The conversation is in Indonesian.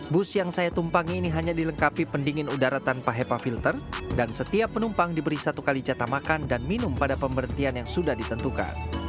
bus yang saya tumpangi ini hanya dilengkapi pendingin udara tanpa hepa filter dan setiap penumpang diberi satu kali jatah makan dan minum pada pemberhentian yang sudah ditentukan